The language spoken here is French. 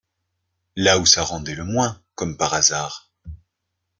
là où ça rendait le moins, comme par hasard.